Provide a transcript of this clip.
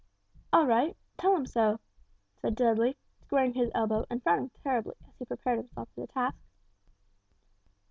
"All right, tell him so," said Dudley, squaring his elbow and frowning terribly as he prepared himself for the task.